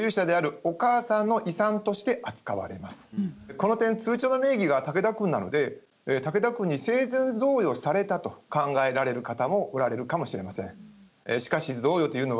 この点通帳の名義が竹田くんなので竹田くんに生前贈与されたと考えられる方もおられるかもしれません。